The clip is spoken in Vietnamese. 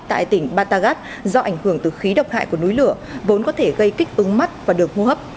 tại tỉnh batagat do ảnh hưởng từ khí độc hại của núi lửa vốn có thể gây kích ứng mắt và đường hô hấp